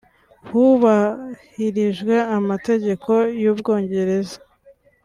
hubahirijwe amategeko y’u Bwongereza